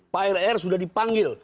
pak rr sudah dipanggil